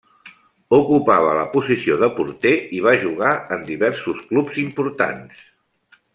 Ocupava la posició de porter i va jugar en diversos clubs importants.